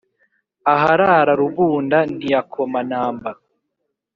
Aharara rubunda ntiyakoma namba